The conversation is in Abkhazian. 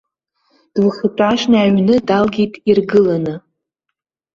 Двухетажни аҩны далгеит иргыланы.